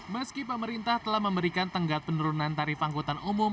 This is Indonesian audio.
meski pemerintah telah memberikan tenggat penurunan tarif angkutan umum